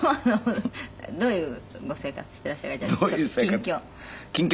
どういうご生活していらっしゃるかじゃあちょっと近況。